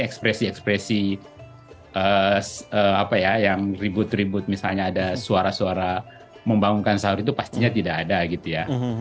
ekspresi ekspresi apa ya yang ribut ribut misalnya ada suara suara membangunkan sahur itu pastinya tidak ada gitu ya